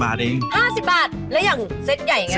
๕๐บาทแล้วอย่างเซ็ตใหญ่อย่างไรครับ